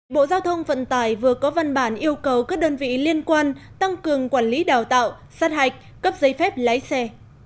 bộ giao thông vận tải vừa có văn bản yêu cầu các đơn vị liên quan tăng cường quản lý đào tạo sát hạch cấp giấy phép lái xe